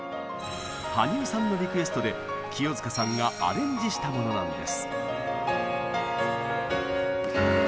羽生さんのリクエストで清塚さんがアレンジしたものなんです。